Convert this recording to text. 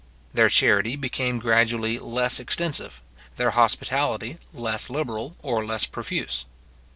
Their charity became gradually less extensive, their hospitality less liberal, or less profuse.